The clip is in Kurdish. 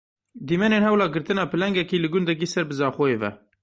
Dîmenên hewla girtina pilengekî li gundekî ser bi Zaxoyê ve.